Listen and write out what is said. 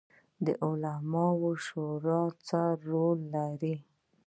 د علماوو شورا څه رول لري؟